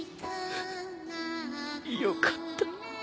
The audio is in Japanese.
よかった。